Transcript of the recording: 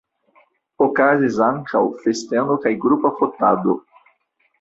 Okazis ankaŭ festeno kaj grupa fotado.